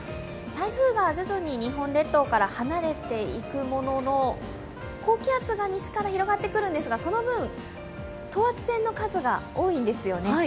台風が徐々に日本列島から離れていくものの高気圧が西から広がってくるんですが、その分、等圧線の数が多いんですよね。